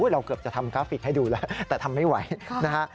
เราเกือบจะทำกราฟิกให้ดูแล้วแต่ทำไม่ไหวนะฮะ